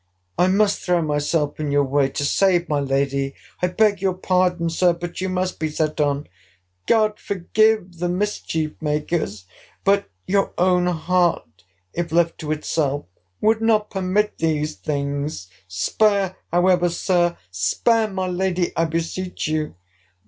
—I must throw myself in your way, to save my lady. I beg your pardon, Sir—but you must be set on!—God forgive the mischief makers!—But your own heart, if left to itself, would not permit these things—spare, however, Sir! spare my lady, I beseech you!